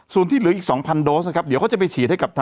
ส่วนที่เหลืออีก๒๐๐๐โดสเดี๋ยวเขาจะไปฉีดให้กับ